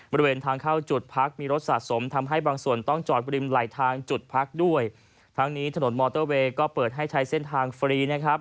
บริเวณทางเข้าจุดพักมีรถสะสมทำให้บางส่วนต้องจอดบริมไหลทางจุดพักด้วยทั้งนี้ถนนมอเตอร์เวย์ก็เปิดให้ใช้เส้นทางฟรีนะครับ